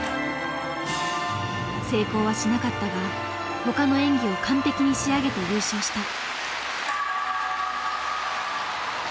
成功はしなかったがほかの演技を完璧に仕上げて優勝した。